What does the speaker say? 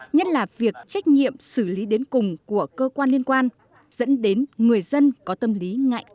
nhất là việc trách nhiệm xử lý đến cùng của cơ quan liên quan dẫn đến người dân có tâm lý ngại